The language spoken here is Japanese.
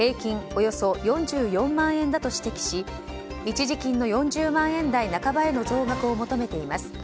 およそ４４万円だと指摘し一時金の４０万円台半ばへの増額を求めています。